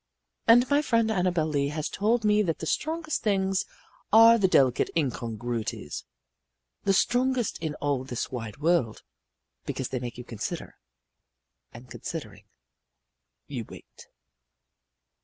And my friend Annabel Lee has told me that the strongest things are the delicate incongruities the strongest in all this wide world. Because they make you consider and considering, you wait.